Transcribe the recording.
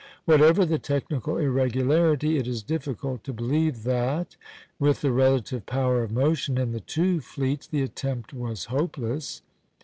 Whatever the technical irregularity, it is difficult to believe that, with the relative power of motion in the two fleets, the attempt was hopeless.